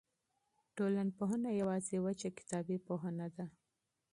ټولنپوهنه یوازې وچه کتابي پوهه نه ده.